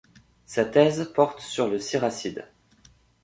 Sa thèse porte sur le Siracide.